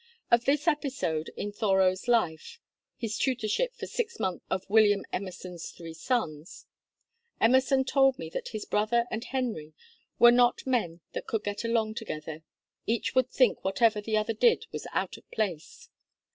Of this episode in Thoreau's life (his tutorship for six months of William Emerson's three sons), Emerson told me that his brother and Henry were not men that could get along together: 'each would think whatever the other did was out of place.'